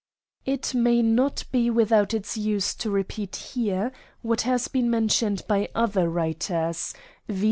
It may not be without its use to repeat here what has been mentioned by other writers, viz.